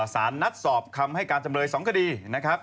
สารนัดสอบคำให้การจำเลย๒คดีนะครับ